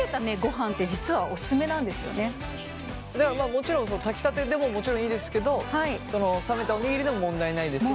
もちろんその炊きたてでももちろんいいですけど冷めたおにぎりでも問題ないですし